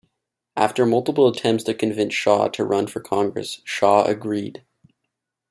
After multiple attempts to convince Shaw to run for Congress, Shaw agreed.